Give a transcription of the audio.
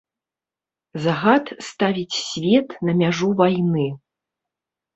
Загад ставіць свет на мяжу вайны.